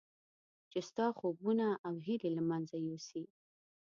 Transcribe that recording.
چې ستا خوبونه او هیلې له منځه یوسي.